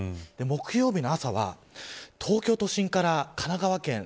木曜日の朝は東京都心から神奈川県